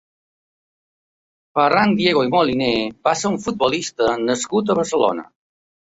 Ferran Diego i Moliner va ser un futbolista nascut a Barcelona.